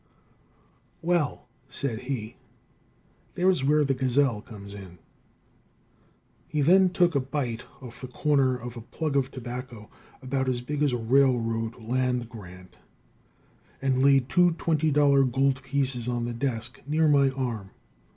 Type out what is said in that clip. "Well," said he, "there's where the gazelle comes in." He then took a bite off the corner of a plug of tobacco about as big as a railroad land grant, and laid two twenty dollar gold pieces on the desk near my arm.